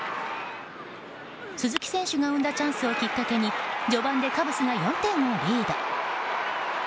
鈴木選手が生んだチャンスをきっかけに序盤でカブスが４点をリード。